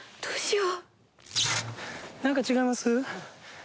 どうしよう？